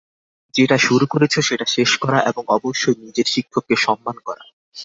যেটা শুরু করেছো সেটা শেষ করা, এবং অবশ্যই নিজের শিক্ষককে সম্মান করা।